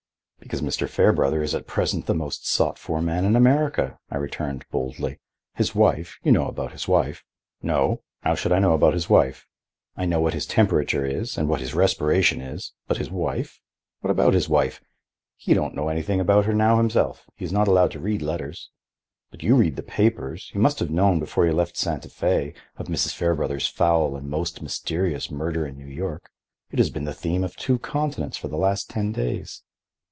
"Because Mr. Fairbrother is at present the most sought for man in America," I returned boldly. "His wife—you know about his wife—" "No. How should I know about his wife? I know what his temperature is and what his respiration is—but his wife? What about his wife? He don't know anything about her now himself; he is not allowed to read letters." "But you read the papers. You must have known, before you left Santa Fe, of Mrs. Fairbrother's foul and most mysterious murder in New York. It has been the theme of two continents for the last ten days."